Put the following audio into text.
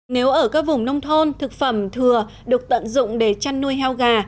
nếu ở các vùng nông thôn thực phẩm thừa được tận dụng để chăn nuôi heo gà